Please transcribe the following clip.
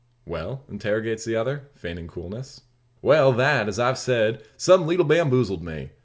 "Well?" interrogates the other, feigning coolness. "Well; that, as I've said, some leetle bamboozled me.